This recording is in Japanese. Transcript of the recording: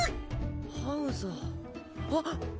ハウザーあっ！